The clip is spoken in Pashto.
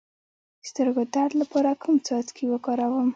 د سترګو د درد لپاره کوم څاڅکي وکاروم؟